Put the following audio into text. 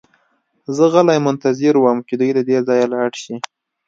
زه غلی منتظر وم چې دوی له دې ځایه لاړ شي